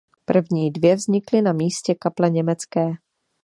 První dvě vznikly na místě kaple německé.